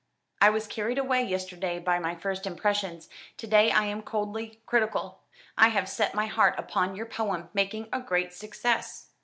"I was carried away yesterday by my first impressions; to day I am coldly critical. I have set my heart upon your poem making a great success."